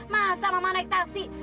masa mama naik taksi